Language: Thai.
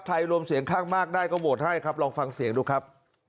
รวมเสียงข้างมากได้ก็โหวตให้ครับลองฟังเสียงดูครับ